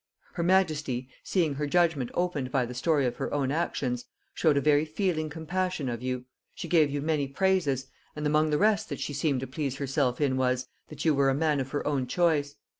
Her majesty, seeing her judgement opened by the story of her own actions, showed a very feeling compassion of you, she gave you many praises, and among the rest, that she seemed to please herself in was, that you were a man of her own choice.